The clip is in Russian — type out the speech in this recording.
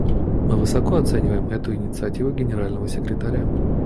Мы высоко оцениваем эту инициативу Генерального секретаря.